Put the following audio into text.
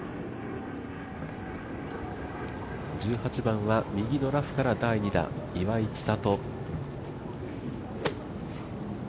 １８番は右のラフから第２打、岩井千怜。